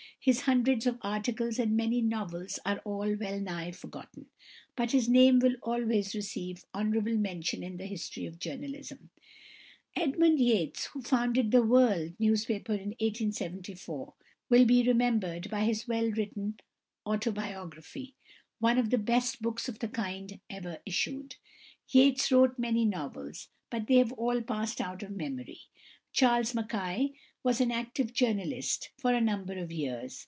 His hundreds of articles and many novels are all well nigh forgotten, but his name will always receive honourable mention in the history of journalism. =Edmund Yates (1831 1894)=, who founded The World newspaper in 1874, will be remembered by his well written "Autobiography" one of the best books of the kind ever issued. Yates wrote many novels, but they have all passed out of memory. =Charles Mackay (1814 1889)= was an active journalist for a number of years.